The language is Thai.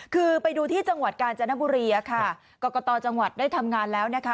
คือไปดูที่จังหวัดกาญจนบุรีค่ะกรกตจังหวัดได้ทำงานแล้วนะคะ